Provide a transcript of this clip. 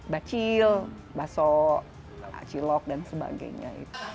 bakcil bakso cilok dan sebagainya